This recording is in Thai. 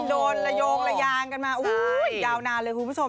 ระโยงระยางกันมายาวนานเลยคุณผู้ชม